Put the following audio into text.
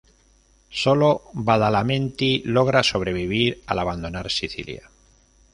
Solo Badalamenti logra sobrevivir, al abandonar Sicilia.